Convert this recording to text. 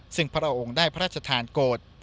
ซึ่งพระองค์ได้พระราชทานโกรธ